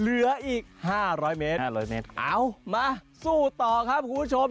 เหลืออีก๕๐๐เมตร๕๐๐เมตรเอามาสู้ต่อครับคุณผู้ชม